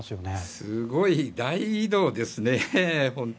すごい大移動ですね。